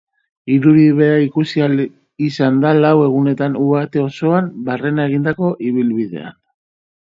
Irudi bera ikusi ahal izan da lau egunetan uharte osoan barrena egindako ibilbidean.